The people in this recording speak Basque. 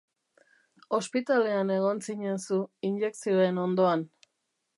Ospitalean egon zinen zu injekzioen ondoan.